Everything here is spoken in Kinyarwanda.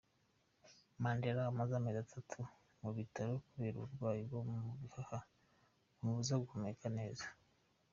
Mandela amaze amezi atatu mu bitaro kubera uburwayi bwo mu bihaha bumubuza guhumeka neza.